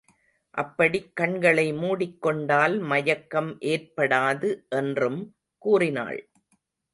அப்படிக் கண்களை மூடிக் கொண்டால் மயக்கம் ஏற்படாது என்றும் கூறினாள்.